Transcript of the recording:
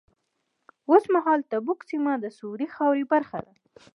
اوس مهال تبوک سیمه د سعودي خاورې برخه ده.